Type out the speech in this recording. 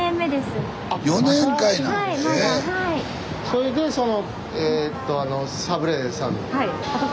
それでそのサブレーさんと。